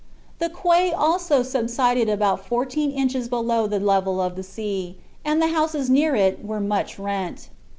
The quay also subsided about fourteen inches below the level of the sea, and the houses near it were much rent.